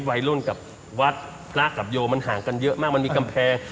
วัยรุ่นกับวัดพระกับโยมันห่างกันเยอะมากมันมีกำแพง